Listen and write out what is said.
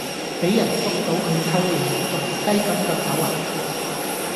比人捉到佢偷野，仲唔雞咁腳走呀